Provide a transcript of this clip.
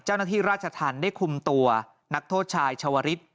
เจ้าหน้าที่ราชธรรมได้คุมตัวนักโทษชายชาวฤทธิ